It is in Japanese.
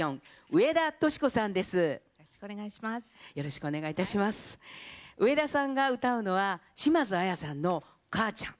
上田さんが歌うのは島津亜矢さんの「かあちゃん」。